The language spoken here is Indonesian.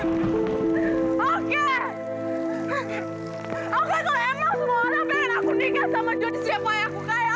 aku tau emang semua orang pengen aku nikah sama jodoh siapa yang aku kaya